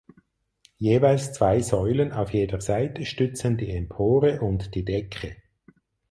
Jeweils zwei Säulen auf jeder Seite stützen die Empore und die Decke.